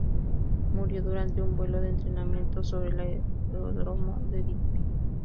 Murió durante un vuelo de entrenamiento sobre el aeródromo de Digby.